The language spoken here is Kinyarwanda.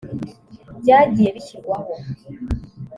byagiye bishyirwaho